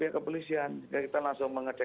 kepolisian kita langsung mengecek